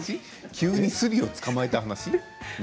急にスリを捕まえた話？